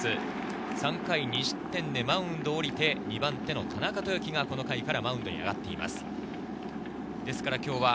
３回２失点でマウンドを降りて２番手の田中豊樹がこの回からマウンドに上がっています。